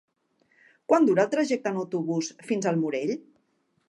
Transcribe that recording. Quant dura el trajecte en autobús fins al Morell?